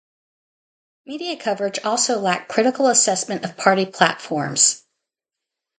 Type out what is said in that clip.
Media coverage also lacked critical assessment of party platforms.